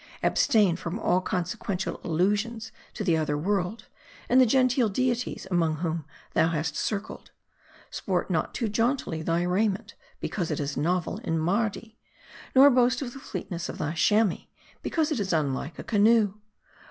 Abstain from all consequential allu sions to the other world, and the genteel deities among whom thou hast circled. Sport not too jauntily thy rai ment, because it is novel in Mardi ; nor boast of the fleet ness of thy Chamois, because it is unlike a canoe.